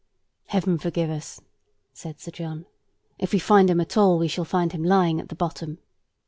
"Heaven forgive us!" said Sir John. "If we find him at all, we shall find him lying at the bottom."